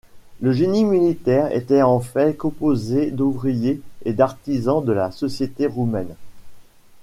Le génie militaire était en fait composé d'ouvriers et d'artisans de la société romaine.